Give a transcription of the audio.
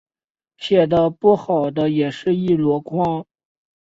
写的不好的也是一箩筐